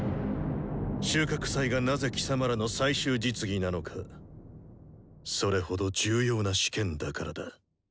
収穫祭がなぜ貴様らの最終実技なのかそれほど重要な試験だからだ。